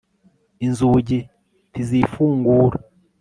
inzugi ntizifungura